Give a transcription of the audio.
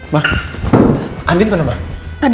bisa nggak aku jugak